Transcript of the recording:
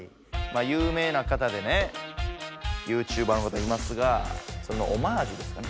有名な方でねＹｏｕＴｕｂｅｒの方いますがそのオマージュですかね。